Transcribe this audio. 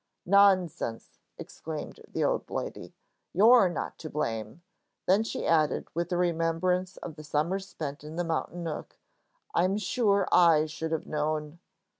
"Nonsense!" exclaimed the old lady, "you're not to blame." Then she added, with a remembrance of the summers spent in the mountain nook, "I'm sure I should have known."